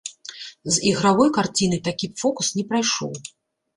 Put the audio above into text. З ігравой карцінай такі б фокус не прайшоў.